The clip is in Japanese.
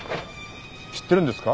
知ってるんですか？